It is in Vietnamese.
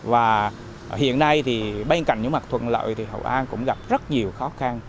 và hiện nay thì bên cạnh những mặt thuận lợi thì hậu an cũng gặp rất nhiều khó khăn